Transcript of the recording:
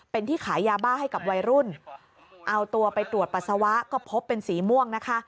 เป็นที่ขายยาบ้าให้กับวัยรุ่นเอาตัวไปตรวจปัสสาวะก็พบเป็นสีม่วงนะคะ